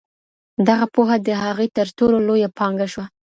دغه پوهه د هغې تر ټولو لویه پانګه شوه.